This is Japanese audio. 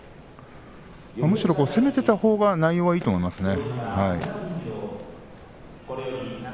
むしろ攻めていたほうが内容はいいと思いますね。